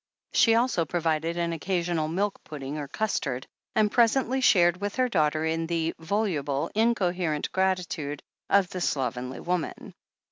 She also provided an occa sional milk pudding or custard, and presently shared with her daughter in the voluble, incoherent gratitude of the slovenly woman.